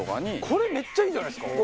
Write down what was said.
これめっちゃいいじゃないですか！